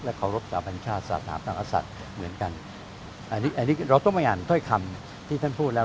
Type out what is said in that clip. และเคารพจาบัญชาติสถาปนักอาสัตว์เหมือนกันอันนี้เราต้องไปอ่านถ้อยคำที่ท่านพูดแล้ว